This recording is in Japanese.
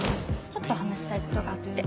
ちょっと話したいことがあって。